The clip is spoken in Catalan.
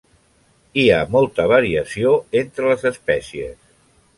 Hi ha molta variació entre les espècies.